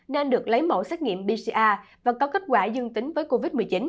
nên được lấy mẫu xét nghiệm pcr và có kết quả dương tính với covid một mươi chín